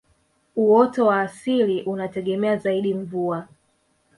uoto wa asili unategemea zaidi mvua